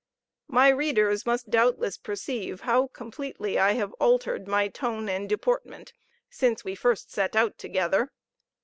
My readers must doubtless perceive how completely I have altered my tone and deportment since we first set out together.